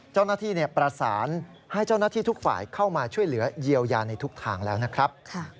เจ้าหน้าที่ประสานให้เจ้าหน้าที่ทุกฝ่ายเข้ามาช่วยเหลือเยียวยาในทุกทางแล้วนะครับ